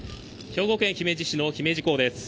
兵庫県姫路市の姫路港です。